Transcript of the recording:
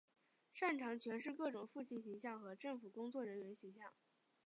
擅长诠释各种父亲形象和政府工作人员形象。